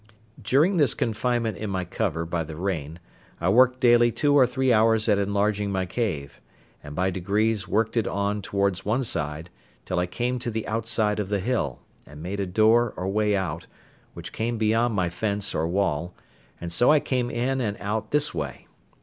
During this confinement in my cover by the rain, I worked daily two or three hours at enlarging my cave, and by degrees worked it on towards one side, till I came to the outside of the hill, and made a door or way out, which came beyond my fence or wall; and so I came in and out this way.